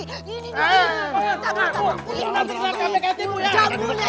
kamu bisa jalan kamera kaya tipu ya